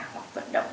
hoặc vận động